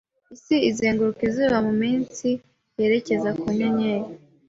Isi izenguruka izuba mu minsi yerekeza ku nyenyeri